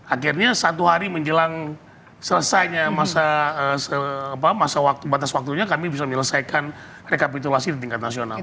akhirnya satu hari menjelang selesainya batas waktunya kami bisa menyelesaikan rekapitulasi di tingkat nasional